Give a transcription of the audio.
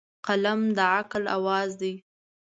قلم د عقل اواز دی